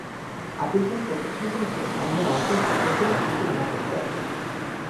Appeal করা প্রতিষ্ঠানগুলোকে আইনের আওতায় যাচাই করে আপিল নাকচ করা হয়।